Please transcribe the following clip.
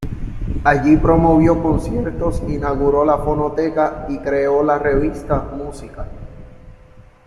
Allí promovió conciertos, inauguró la fonoteca y creó la revista "Música".